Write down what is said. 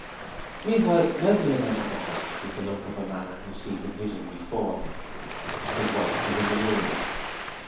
Meanwhile Melbury had entered the house with the look of a man who sees a vision before him. His wife was in the room.